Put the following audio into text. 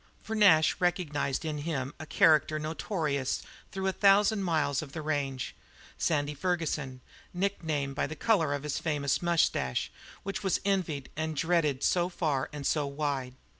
For Nash recognized in him a character notorious through a thousand miles of the range, Sandy Ferguson, nicknamed by the colour of that famous moustache, which was envied and dreaded so far and so wide.